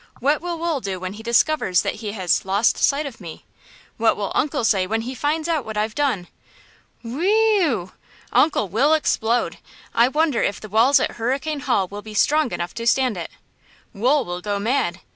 What will Wool do when he discovers that he has 'lost sight' of me? What will uncle say when he finds out what I've done? Whe–ew! Uncle will explode! I wonder if the walls at Hurricane Hall will be strong enough to stand it! Wool will go mad!